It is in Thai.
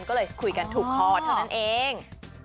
ก็เลยคุยกันถูกคอเท่านั้นเอง